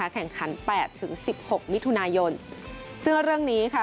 แข่งขัน๘ถึง๑๖มิถุนายนซึ่งเรื่องนี้ค่ะ